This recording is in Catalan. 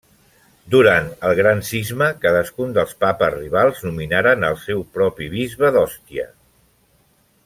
Durant el Gran Cisma, cadascun dels papes rivals nominaren el seu propi bisbe d'Òstia.